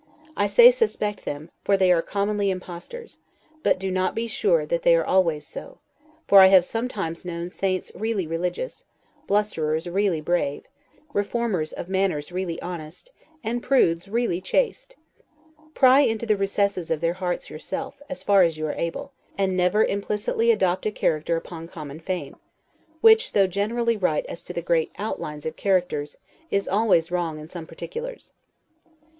I say suspect them, for they are commonly impostors; but do not be sure that they are always so; for I have sometimes known saints really religious, blusterers really brave, reformers of manners really honest, and prudes really chaste. Pry into the recesses of their hearts yourself, as far as you are able, and never implicitly adopt a character upon common fame; which, though generally right as to the great outlines of characters, is always wrong in some particulars.